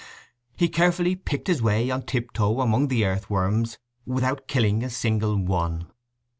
He carefully picked his way on tiptoe among the earthworms, without killing a single one.